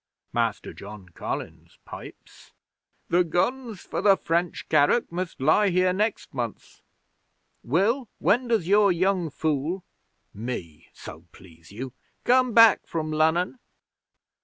'Master John Collins pipes: "The guns for the French carrack must lie here next month. Will, when does your young fool" (me, so please you!) "come back from Lunnon?"